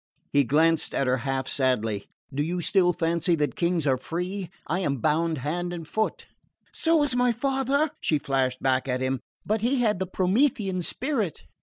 He glanced at her half sadly. "Do you still fancy that kings are free? I am bound hand and foot." "So was my father," she flashed back at him; "but he had the Promethean spirit."